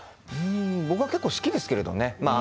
僕は結構好きですけどね。